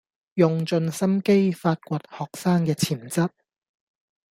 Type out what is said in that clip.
用盡心機發掘學生既潛質